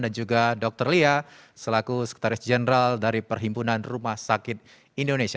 dan juga dokter lia selaku sekretaris jenderal dari perhimpunan rumah sakit indonesia